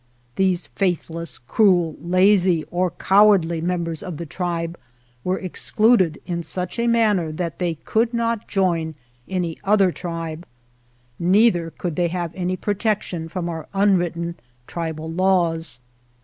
These faithless, cruel, lazy, or cowardly members of the tribe were excluded in such a manner that they could not join any other tribe. Neither could they have any protec tion from our unwritten tribal laws.